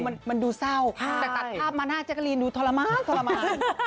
คือมันดูเศร้าแต่ตัดภาพมาหน้าแจ๊กกะรีนดูทรมาน